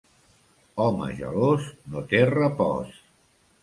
Home gelós no té repòs.